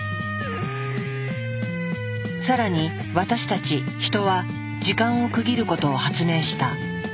更に私たちヒトは時間を区切ることを発明した。